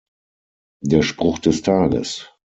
Der Spruch des Tages.